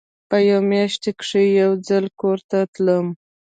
په هره مياشت کښې به يو ځل کور ته تلم.